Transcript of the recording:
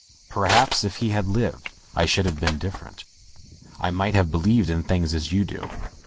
Perhaps if he had lived I should have been different. I might have believed in things as you do.